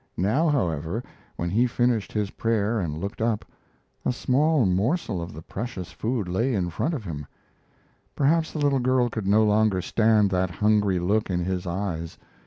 Now, however, when he finished his prayer and looked up, a small morsel of the precious food lay in front of him. Perhaps the little girl could no longer stand that hungry look in his eyes.